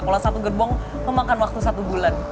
kalau satu gerbong memakan waktu satu bulan